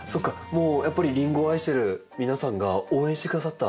もうやっぱりリンゴを愛してる皆さんが応援してくださった。